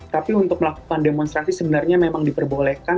tapi untuk melakukan demonstrasi sebenarnya memang diperbolehkan